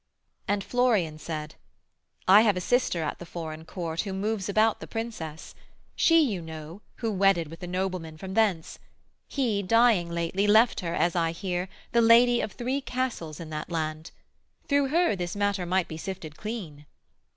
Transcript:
And Florian said: 'I have a sister at the foreign court, Who moves about the Princess; she, you know, Who wedded with a nobleman from thence: He, dying lately, left her, as I hear, The lady of three castles in that land: Through her this matter might be sifted clean.'